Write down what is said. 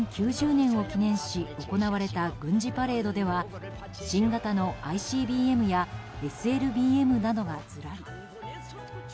９０年を記念し行われた軍事パレードでは新型のＩＣＢＭやＳＬＢＭなどがずらり。